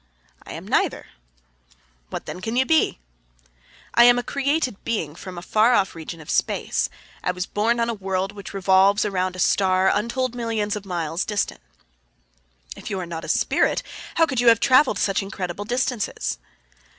"I am neither." "What then can you be?" "I am a created being from a far off region of space. I was born on a world which revolves around a star untold millions of miles distant." "If you are not a spirit, how could you have traveled such incredible distances?"